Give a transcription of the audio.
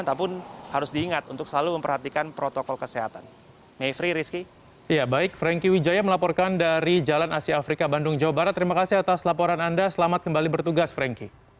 dan tentu saja harus diingat untuk selalu memperhatikan protokol kesehatan